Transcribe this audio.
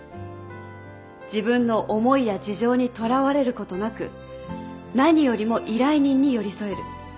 自分の思いや事情にとらわれることなく何よりも依頼人に寄り添える。